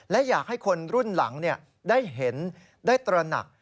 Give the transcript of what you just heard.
และอยากให้คนรุ่นหลังได้เห็นได้ตระหนัก